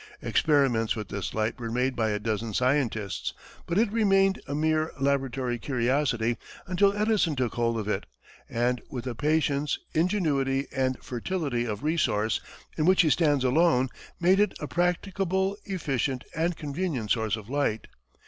Experiments with this light were made by a dozen scientists, but it remained a mere laboratory curiosity until Edison took hold of it, and with a patience, ingenuity and fertility of resource, in which he stands alone, made it a practicable, efficient and convenient source of light.